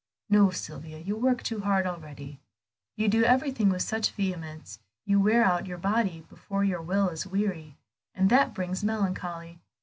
"No, Sylvia, you work too hard already; you do everything with such vehemence you wear out your body before your will is weary, and that brings melancholy.